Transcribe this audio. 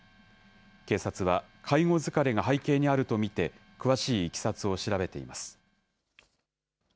警察は、介護疲れが背景にあると見て、詳しいいきさつを調べています。